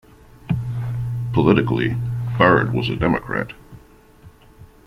Politically, Bard was a Democrat.